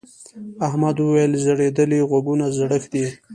احمد وويل: ځړېدلي غوږونه زړښت دی.